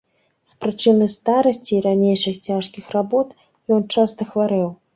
З прычыны старасці і ранейшых цяжкіх работ, ён часта хварэў.